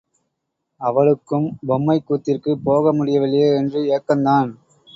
அவளுக்கும் பொம்மைக்கூத்திற்குப் போக முடியவில்லையே என்று ஏக்கந்தான்.